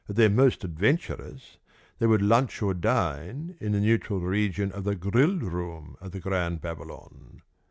At their most adventurous they would lunch or dine in the neutral region of the grill room at the Grand Babylon.